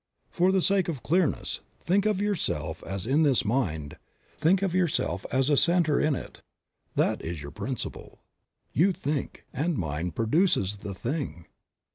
For the sake of clearness, think of yourself as in this Mind, think of yourself as a center in it. That is your principle. You think, and Mind produces the thing.